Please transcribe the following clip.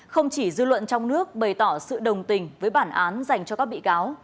không chỉ dư luận trong nước bày tỏ sự đồng tình với bản án dành cho các bị cáo